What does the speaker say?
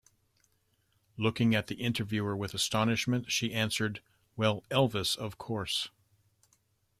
Looking at the interviewer with astonishment, she answered: Well, Elvis of course!